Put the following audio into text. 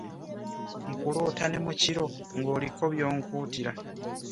Nkuloota ne mu kiro ng'oliko by'onkuutira.